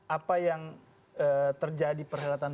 apa yang terjadi perhelatan